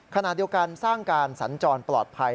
ขณะเดียวกันสร้างการสัญจรปลอดภัย